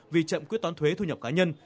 vì chậm quyết toán thuế thu nhập cá nhân